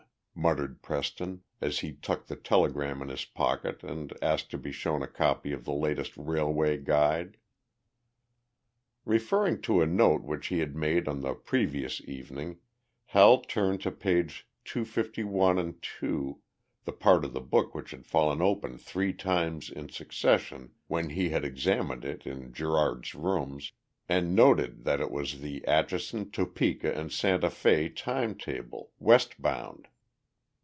muttered Preston, as he tucked the telegram in his pocket and asked to be shown a copy of the latest Railway Guide. Referring to a note which he had made on the previous evening, Hal turned to pages 251 2, the part of the book which had fallen open three times in succession when he had examined it in Gerard's rooms, and noted that it was the Atchinson, Topeka & Santa Fé time table, westbound.